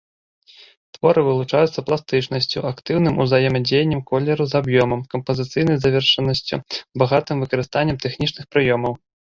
Творы вылучаюцца пластычнасцю, актыўным узаемадзеяннем колеру з аб'ёмам, кампазіцыйнай завершанасцю, багатым выкарыстаннем тэхнічных прыёмаў.